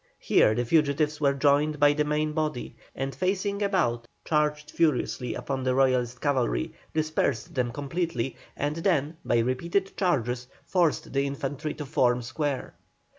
Here the fugitives were joined by the main body, and facing about, charged furiously upon the Royalist cavalry, dispersed them completely, and then by repeated charges forced the infantry to form square.